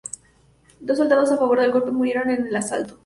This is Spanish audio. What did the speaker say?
Dos soldados a favor del golpe murieron en el asalto.